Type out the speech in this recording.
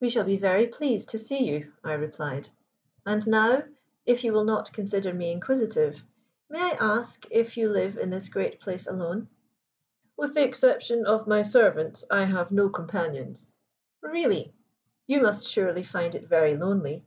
"We shall be very pleased to see you," I replied; "and now, if you will not consider me inquisitive, may I ask if you live in this great place alone?" "With the exception of my servants I have no companions." "Really! You must surely find it very lonely?"